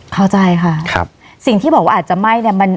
เข้าใจค่ะสิ่งที่บอกว่าอาจจะไหม้เนี่ย